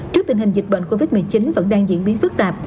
trước tình hình dịch bệnh covid một mươi chín vẫn đang diễn biến phức tạp